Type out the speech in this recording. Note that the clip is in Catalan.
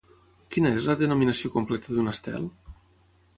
Quina és la denominació completa d'un estel?